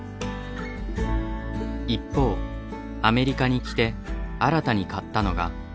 一方アメリカに来て新たに買ったのが。